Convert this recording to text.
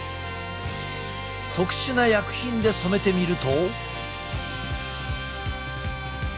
特殊な薬品で染めてみると。